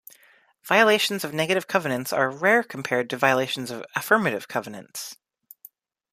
Violations of negative covenants are rare compared to violations of affirmative covenants.